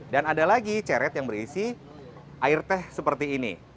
dan ada lagi ceret yang berisi air teh seperti ini